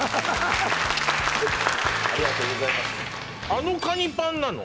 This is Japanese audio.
あのかにぱんなの？